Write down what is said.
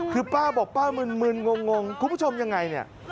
คุณผู้ชมยังไงเนี่ย